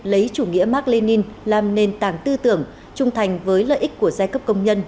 lấy chủ nghĩa mark lenin làm nền tảng tư tưởng trung thành với lợi ích của giai cấp công nhân